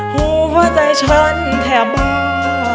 หัวใจฉันแทบวา